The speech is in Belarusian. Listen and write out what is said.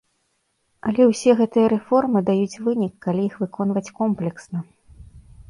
Але ўсе гэтыя рэформы даюць вынік, калі іх выконваць комплексна.